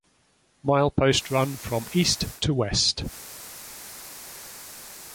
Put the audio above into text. Mileposts run from east to west.